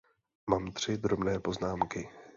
Mám tři drobné poznámky.